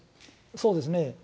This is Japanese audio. そうですね。